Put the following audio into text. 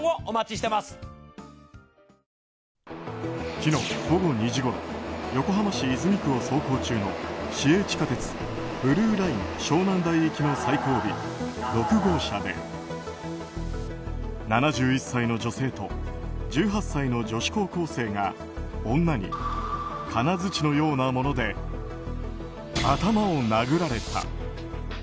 昨日午後２時ごろ横浜市泉区を走行中の市営地下鉄ブルーライン湘南台行きの最後尾６号車で７１歳の女性と１８歳の女子高校生が女に金づちのようなもので頭を殴られた。